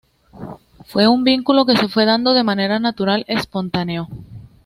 Fue un vínculo que se fue dando de manera natural, espontáneo.